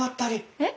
えっ？